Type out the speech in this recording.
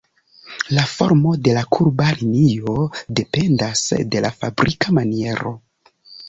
La formo de la kurba linio dependas de la fabrika maniero.